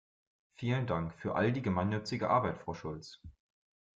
Vielen Dank für all die gemeinnützige Arbeit, Frau Schulz!